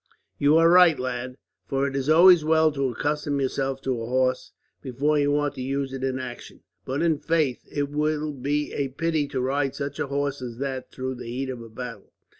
"You are right, lad, for it is always well to accustom yourself to a horse, before you want to use it in action; but in faith, it will be a pity to ride such a horse as that through the heat of a battle."